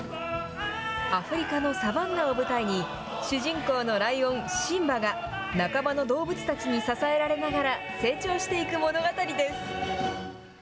アフリカのサバンナを舞台に、主人公のライオン、シンバが仲間の動物たちに支えられながら成長していく物語です。